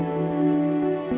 ibu mau lihat